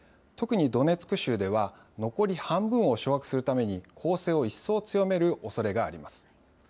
特にドネツク州では、残り半分を掌握するために、攻勢を一層強めるおそれがあります。